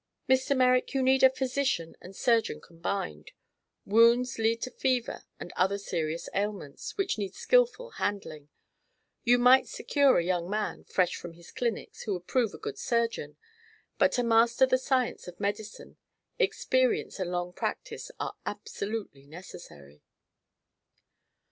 "Mr. Merrick, you need a physician and surgeon combined. Wounds lead to fever and other serious ailments, which need skillful handling. You might secure a young man, fresh from his clinics, who would prove a good surgeon, but to master the science of medicine, experience and long practice are absolutely necessary."